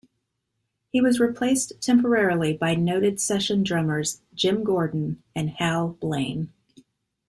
He was replaced temporarily by noted session drummers Jim Gordon and Hal Blaine.